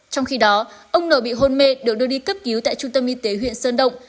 trong khi đó ông n bị hôn mê được đưa đi cấp cứu tại trung tâm y tế huyện sơn động